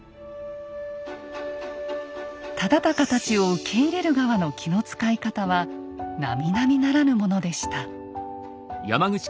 忠敬たちを受け入れる側の気の遣い方はなみなみならぬものでした。